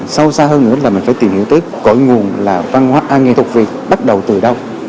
sâu xa hơn nữa là mình phải tìm hiểu tới cội nguồn là văn hóa nghệ thuật việt bắt đầu từ đâu